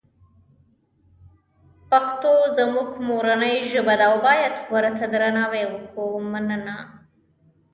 پښتوزموږمورنی ژبه ده اوبایدورته درناوی وکومننه